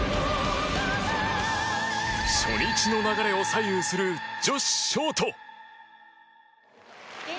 初日の流れを左右する女子ショート。